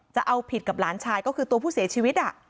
จะเอาผิดกับหลานชายก็คือตัวผู้เสียชีวิต